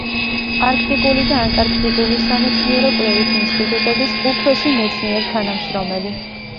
არქტიკული და ანტარქტიკული სამეცნიერო-კვლევითი ინსტიტუტების უფროსი მეცნიერ თანამშრომელი.